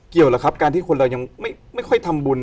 หรือครับการที่คนเรายังไม่ค่อยทำบุญ